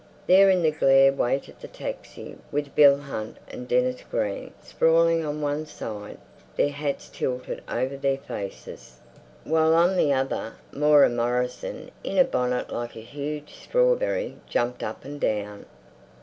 There in the glare waited the taxi, with Bill Hunt and Dennis Green sprawling on one side, their hats tilted over their faces, while on the other, Moira Morrison, in a bonnet like a huge strawberry, jumped up and down.